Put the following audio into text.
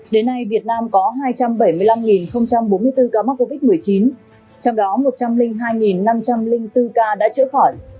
đến nay việt nam có hai trăm bảy mươi năm bốn mươi bốn ca mắc covid một mươi chín trong đó một trăm linh hai năm trăm linh bốn ca đã chữa khỏi